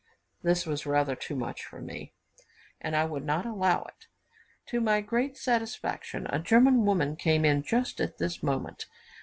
This was rather too much for me, and I would not allow it. To my great satisfaction, a German woman came in just at this moment.